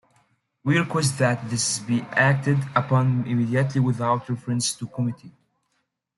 We request that this be acted upon immediately without reference to committee.